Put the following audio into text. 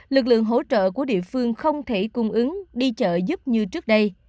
lực lượng hỗ trợ của địa phương không thể cung ứng đi chợ giúp như trước đây